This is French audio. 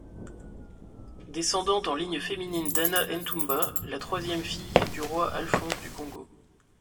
Descendant en ligne féminine d'Anna Ntumba la troisième fille du roi Alphonse du Kongo.